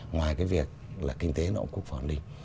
ngoài cái việc là kinh tế nội quốc phòng an ninh